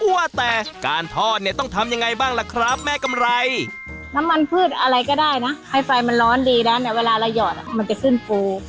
เวลาระหยอดมันจะขึ้นปลูก